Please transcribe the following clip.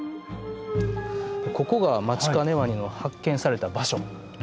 ここがマチカネワニの発見された場所。